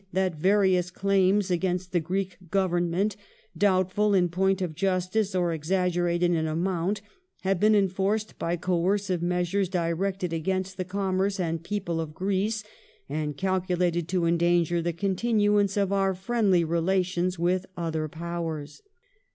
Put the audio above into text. . that various claims against the Greek Govern ment, doubtful in point of justice or exaggerated in amount, have been enforced by coercive measures directed against the commerce and people of Greece and calculated to endanger the continuance of our friendly relations with other powers.